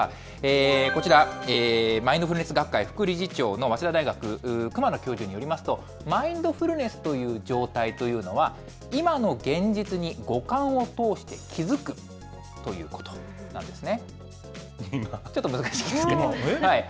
こちら、マインドフルネス学会副理事長の早稲田大学副理事長の熊野教授によりますと、マインドフルネスという状態というのは、今の現実に五感を通して、気付くということなんですね。